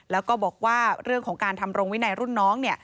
แล้วก็บอกว่าเรื่องของการทำรงวินัยรุ่นน้อง